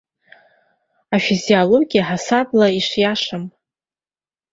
Афизиологиа ҳасаблагьы ишиашам.